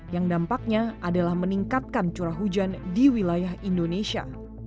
yang dampaknya adalah meningkatkan curah hujan di wilayah indonesia